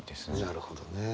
なるほどね。